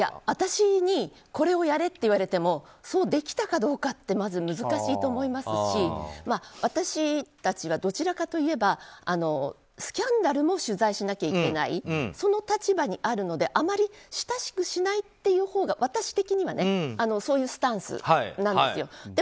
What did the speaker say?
私にこれをやれって言われてもそうできたかどうかってまず難しいと思いますし私たちがどちらかといえばスキャンダルも取材しなければいけないその立場にあるのであまり親しくしないというほうが私的にはそういうスタンスなんですよ。